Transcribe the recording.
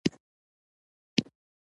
ویې ویل چې زما نوم یوسف دی.